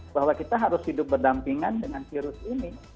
bahwa kita harus hidup berdampingan dengan virus ini